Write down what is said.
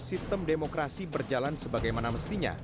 sistem demokrasi berjalan sebagaimana mestinya